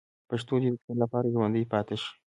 پښتو دې د تل لپاره ژوندۍ پاتې شي.